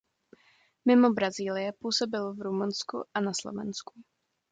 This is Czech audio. Mimo Brazílie působil v Rumunsku a na Slovensku.